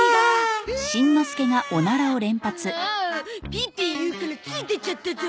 ピーピー言うからつい出ちゃったゾ。